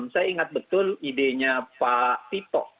saya ingat betul idenya pak tito